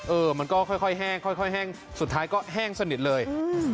เออมันก็ค่อยแห้งค่อยแห้งสุดท้ายก็แห้งสนิทเลย